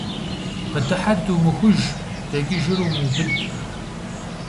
Къыдыхьэр думыхуж, дэкӀыжыр умыубыд.